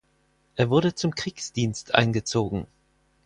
Er wurde zum Kriegsdienst eingezogen.